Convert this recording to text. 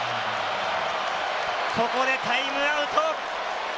ここでタイムアウト。